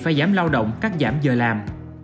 phải giảm lao động cắt giảm giờ làm